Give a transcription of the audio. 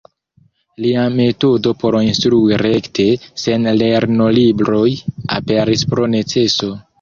Lia metodo por instrui rekte, sen lernolibroj, aperis pro neceso.